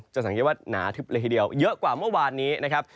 สังเกตว่าหนาทึบเลยทีเดียวเยอะกว่าเมื่อวานนี้นะครับ